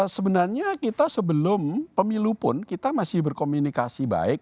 sebenarnya kita sebelum pemilu pun kita masih berkomunikasi baik